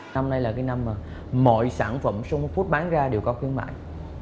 năm nay là cái năm mà mọi sản phẩm sung một phút bán ra đều có khuyến mại